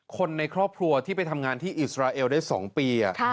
คนในครอบครัวที่ไปทำงานที่อิสราเอลได้๒ปี